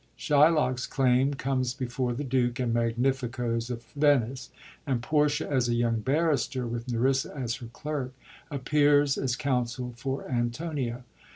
Shylock's claim comes before the Duke and mi^^ificoes of Venice ; and Portia, as a young barrister, with Nerissa as her clerk, appears as counsel for Antonio.